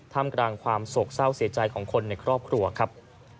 ทำกลางความโศกเศร้าเสียใจของคนในครอบครัวครับ